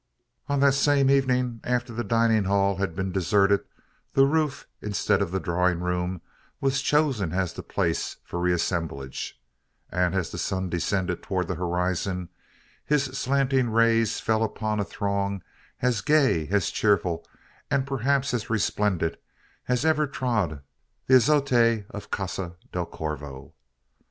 On that same evening, after the dining hall had been deserted, the roof, instead of the drawing room, was chosen as the place of re assemblage; and as the sun descended towards the horizon, his slanting rays fell upon a throng as gay, as cheerful, and perhaps as resplendent, as ever trod the azotea of Casa del Corvo.